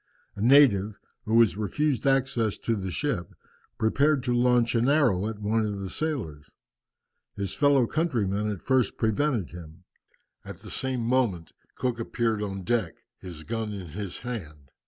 A native, who was refused access to the ship, prepared to launch an arrow at one of the sailors. His fellow countrymen at first prevented him. At the same moment Cook appeared on deck, his gun in his hand.